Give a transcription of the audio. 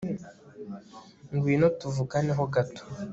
ngwino tuvugane ho gato